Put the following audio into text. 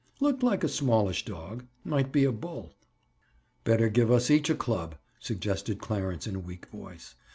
"Looked like a smallish dog. Might be a bull." "Better give us each a club," suggested Clarence in a weak voice.